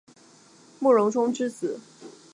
慕容忠之子。